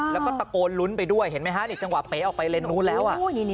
แล้วก็ตะโกนลุ้นไปด้วยเห็นไหมฮะนี่จังหวะเป๋ออกไปเลนนู้นแล้ว